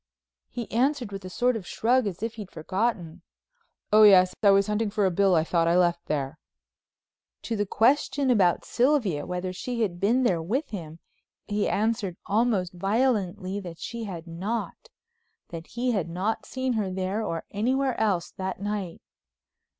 He answered with a sort of shrug as if he'd forgotten. "Oh, yes—I was hunting for a bill I thought I left there." To the questions about Sylvia—whether she had been there with him—he answered almost violently that she had not, that he had not seen her there or anywhere else that night.